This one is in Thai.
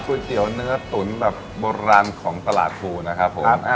เตี๋ยวเนื้อตุ๋นแบบโบราณของตลาดภูนะครับผม